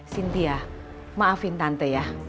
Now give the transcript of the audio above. sintia maafin tante ya